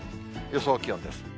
予想気温です。